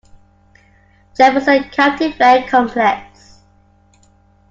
Jefferson County Fair Complex.